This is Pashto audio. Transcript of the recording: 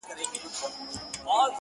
له ځانه ووتلم «نه» ته چي نه ـ نه وويل~